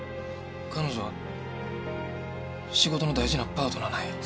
彼女は仕事の大事なパートナーなんや。